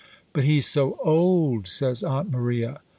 'But he's so old!' says Aunt Maria.